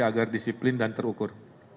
agar disiplin dan terukur